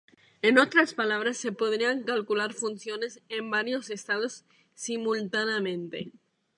En otras palabras, se podrían calcular funciones en varios Estados simultáneamente.